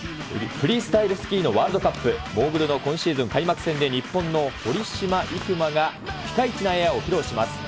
フリースタイルスキーのワールドカップ、モーグルの今シーズン開幕で日本の堀島いくまが、ピカイチのエアを披露します。